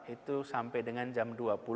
itu sampai dengan jam dua puluh